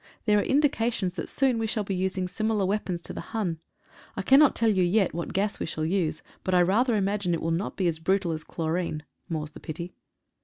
There are indications that soon we shall be using similar weapons to the Hun. I cannot tell you yet what gas we shall use — but I rather imagine it will not be as brutal as chlorine (more's the pity).